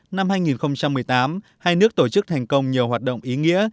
năm hai nghìn một mươi tám hai nước tổ chức thành công nhiều hoạt động ý nghĩa